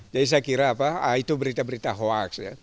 jadi saya kira itu berita berita hoaks